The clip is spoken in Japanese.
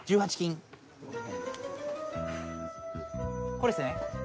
これですね。